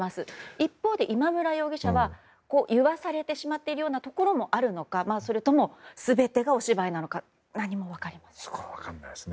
一方で、今村容疑者は言わされてしまっているようなところもあるのかそれとも、全てがお芝居なのか何も分かりませんね。